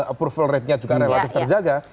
approval ratenya juga relatif terjaga